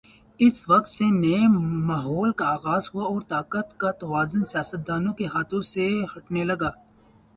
اس وقت سے نئے ماحول کا آغاز ہوا اور طاقت کا توازن سیاستدانوں کے ہاتھوں سے ہٹنے لگا۔